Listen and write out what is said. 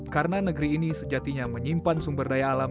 karena negeri ini sejatinya menyimpan sumber daya alam